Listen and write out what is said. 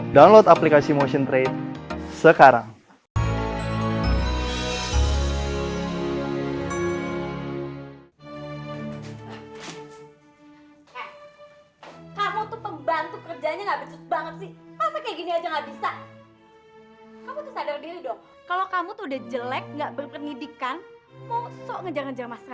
download aplikasi motion trade sekarang